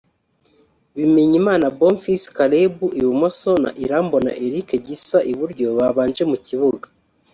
Bimenyimana Bonfils Caleb (ibumoso) na Irambona Eric Gisa (Iburyo) babanje mu kibuga